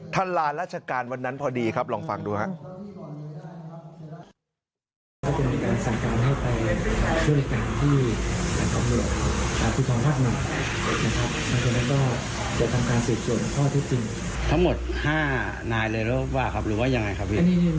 ลานราชการวันนั้นพอดีครับลองฟังดูครับ